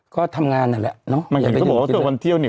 ก็ทำงานนั่นแหละเนอะมันอย่างที่เขาบอกว่าเกี่ยวกับวันเที่ยวเนี้ย